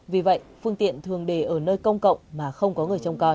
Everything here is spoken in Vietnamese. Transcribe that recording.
vì vậy phương tiện thường để ở nơi công cộng mà không có người trông coi